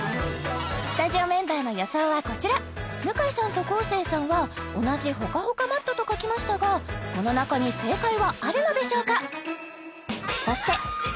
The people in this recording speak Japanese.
スタジオメンバーの予想はこちら向井さんと昴生さんは同じほかほかマットと書きましたがこの中に正解はあるのでしょうか？